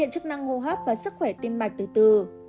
chức năng hô hấp và sức khỏe tim mạch từ từ